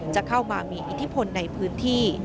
จะเข้ามามีอิทธิพลในพื้นที่